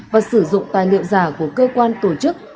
và sử dụng tài liệu giả của cơ quan tổ chức